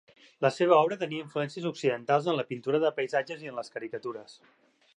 La seva obra tenia influències occidentals en la pintura de paisatges i en les caricatures.